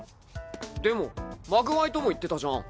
でもまぐわいとも言ってたじゃん。